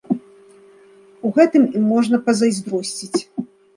У гэтым ім можна пазайздросціць.